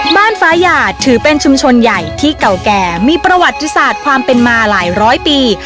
ฟ้าหยาดถือเป็นชุมชนใหญ่ที่เก่าแก่มีประวัติศาสตร์ความเป็นมาหลายร้อยปี